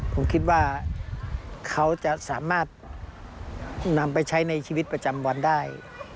ผมคิดว่าเขาจะสามารถนำไปใช้ในชีวิตประจำวันได้